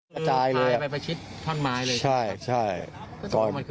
ก็ตายเลยครับ